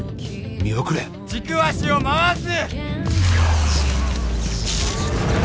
見送れ軸足を回す！